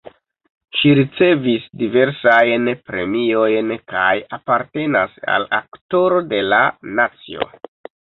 Ŝi ricevis diversajn premiojn kaj apartenas al Aktoro de la nacio.